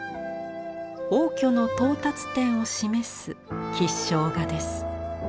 応挙の到達点を示す吉祥画です。